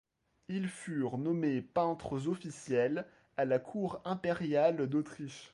Ils furent nommés peintres officiels à la cour impériale d'Autriche.